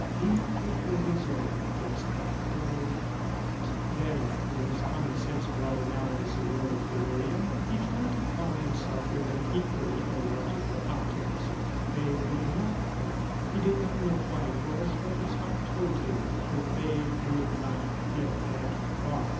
He could hold his own against the whole lot! ... Then, when his common sense brought him out of his heroic delirium, he tried to calm himself with an equally illogical optimism. They would not come. He did not know why it was, but his heart told him that they would not get that far.